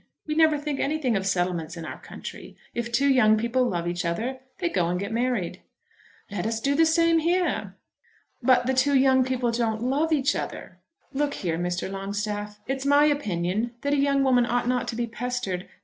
We never think anything of settlements in our country. If two young people love each other they go and get married." "Let us do the same here." "But the two young people don't love each other. Look here, Mr. Longstaff; it's my opinion that a young woman ought not to be pestered."